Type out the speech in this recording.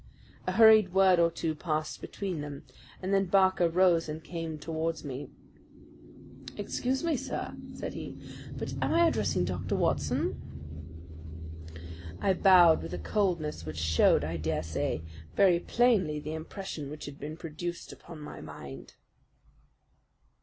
A hurried word or two passed between them, and then Barker rose and came towards me. "Excuse me, sir," said he, "but am I addressing Dr. Watson?" I bowed with a coldness which showed, I dare say, very plainly the impression which had been produced upon my mind.